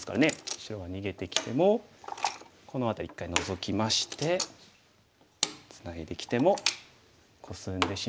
白は逃げてきてもこの辺り１回ノゾきましてツナいできてもコスんでしまえばどうでしょう？